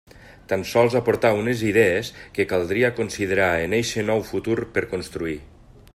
Tan sols aportar unes idees que caldria considerar en eixe nou futur per construir.